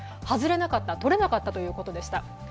外れなかった、取れなかったということでした。